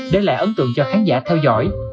để lại ấn tượng cho khán giả theo dõi